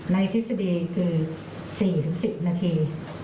ในคทริษดี๔๑๐นาที